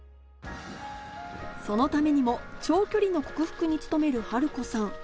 そのためにも長距離の克服に努める晴子さん